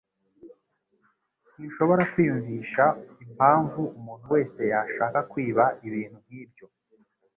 Sinshobora kwiyumvisha impamvu umuntu wese yashaka kwiba ibintu nkibyo.